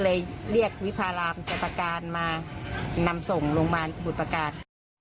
ก็เลยเรียกวิพารามจัตรการมานำส่งลงมาบุตรประการ